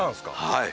はい。